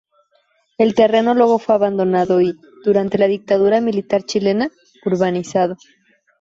El terreno luego fue abandonado y, durante la dictadura militar chilena, urbanizado.